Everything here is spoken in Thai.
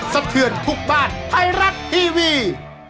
สะเทือนทุกบ้านไทยรัฐทีวี